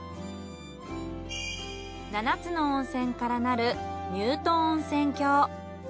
７つの温泉からなる乳頭温泉郷。